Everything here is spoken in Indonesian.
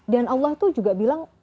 dan allah itu juga bilang